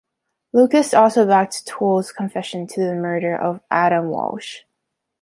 Lucas also backed Toole's confession to the murder of Adam Walsh.